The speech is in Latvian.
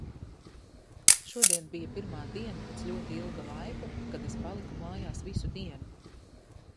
Šodien bija pirmā diena, pēc ļoti ilga laika, kad es paliku mājās visu dienu.